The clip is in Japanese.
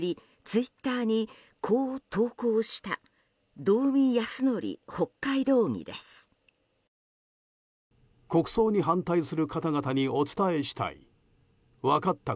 ツイッターに、こう投稿した道見泰憲北海道議です。